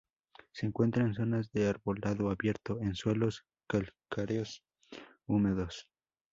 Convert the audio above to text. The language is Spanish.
Se encuentra en zonas de arbolado abierto, en suelos calcáreos húmedos.